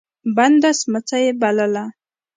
بنده سمڅه يې بلله.